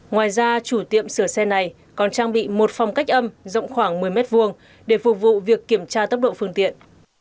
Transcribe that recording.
ngoài ra chủ tiệm sửa xe này còn trang bị một phòng cách âm rộng khoảng một mươi m hai để phục vụ việc kiểm tra tốc độ phương tiện